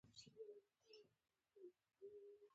او ویلای شو،